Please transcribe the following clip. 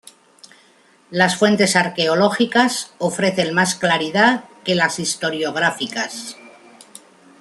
Las fuentes arqueológicas ofrecen más claridad que las historiográficas.